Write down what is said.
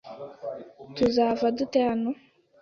Tuzava dute hano?